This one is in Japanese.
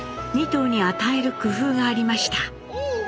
２頭に与える工夫がありました。